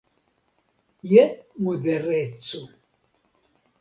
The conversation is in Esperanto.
Je modereco.